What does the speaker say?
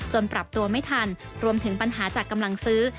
ปรับตัวไม่ทันรวมถึงปัญหาจากกำลังซื้อ